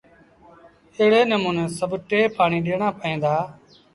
ايڙي نموٚني سڀ ٽي پآڻيٚ ڏيڻآݩ پئيٚن دآ۔